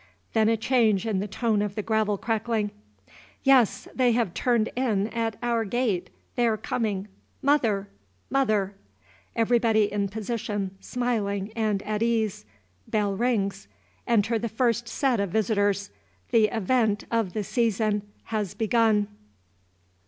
Then a change in the tone of the gravel crackling. "Yes, they have turned in at our gate. They're comin'! Mother! mother!" Everybody in position, smiling and at ease. Bell rings. Enter the first set of visitors. The Event of the Season has begun.